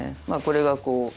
まあこれがこう。